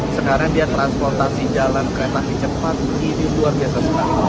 sekarang dia transportasi jalan kereta cepat jadi luar biasa sekali